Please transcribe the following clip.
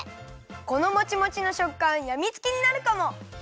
このモチモチのしょっかんやみつきになるかも！